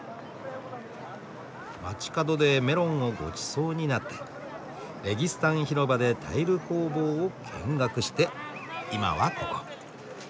街角でメロンをごちそうになってレギスタン広場でタイル工房を見学して今はここ。